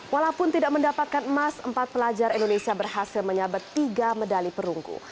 walaupun tidak mendapatkan emas empat pelajar indonesia berhasil menyabet tiga medali perunggu